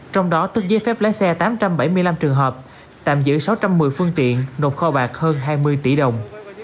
trong đó tức giấy phép lái xe tám trăm bảy mươi năm trường hợp tạm giữ sáu trăm một mươi phương tiện nộp kho bạc hơn hai mươi tỷ đồng